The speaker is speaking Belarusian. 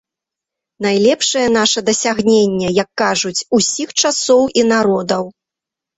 Найлепшае наша дасягненне, як кажуць, усіх часоў і народаў.